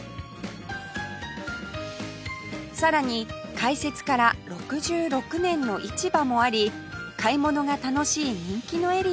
さらに開設から６６年の市場もあり買い物が楽しい人気のエリアです